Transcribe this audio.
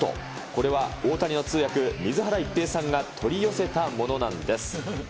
これは大谷の通訳、水原一平さんが取り寄せたものなんです。